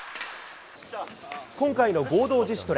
今回の合同自主トレ。